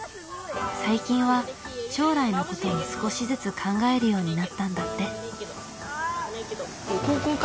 最近は将来のことも少しずつ考えるようになったんだって。